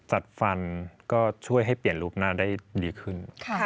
จัดฟันก็ช่วยให้เปลี่ยนรูปหน้าได้ดีขึ้น